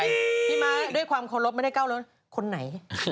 พี่ม้าด้วยความเคารพไม่ได้ก้าวร้นคนไหน